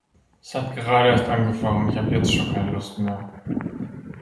Es hat gerade erst angefangen und ich habe jetzt schon keine Lust mehr.